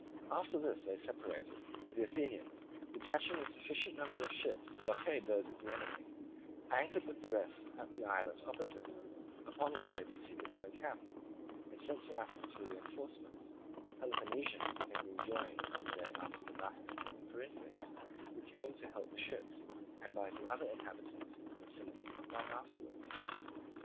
After this they separated, and the Athenians, detaching a sufficient number of ships to blockade those of the enemy, anchored with the rest at the islet adjacent, upon which they proceeded to encamp, and sent to Athens for reinforcements; the Peloponnesians having been joined on the day after the battle by the Corinthians, who came to help the ships, and by the other inhabitants in the vicinity not long afterwards.